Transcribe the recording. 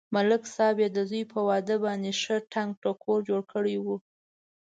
ملک صاحب یې د زوی په واده باندې ښه ټنگ ټکور جوړ کړی و.